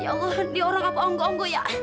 ya allah dia orang apa ongkong ya